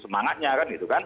semangatnya kan gitu kan